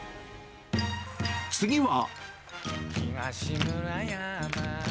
次は。